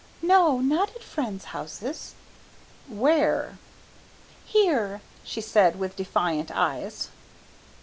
"No, not at friends' houses." "Where?" "Here," she said with defiant eyes.